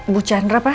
bu chandra pak